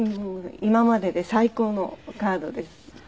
今までで最高のカードです。